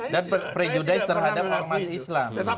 dan prejudis terhadap ormas islam